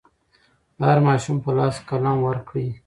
د هر ماشوم په لاس کې قلم ورکړئ.